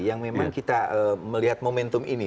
yang memang kita melihat momentum ini